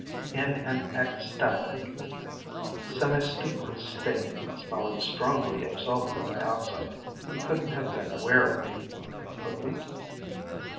In an ecstatic, semistuporous state, smelling strongly of sulfur dioxide, he couldn't have been aware of me. Couldn't?